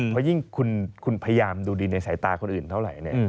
เพราะยิ่งคุณพยายามดูดีในสายตาคนอื่นเท่าไหร่